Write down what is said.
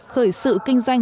khởi sự kinh doanh